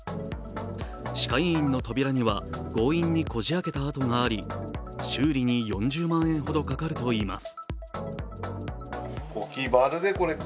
歯科医院の扉には強引にこじ開けたあとがあり修理に４０万円ほどかかるといいます。